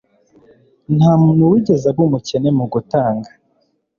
nta muntu wigeze aba umukene mu gutanga